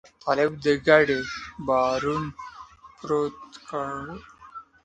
طالب د کډې بارونه پورته کړل او روان شو.